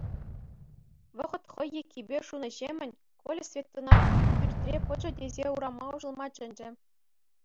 Вӑхӑт хӑй еккипе шунӑҫемӗн Коля Светӑна пӳртре пӑчӑ тесе урама уҫӑлма чӗнчӗ.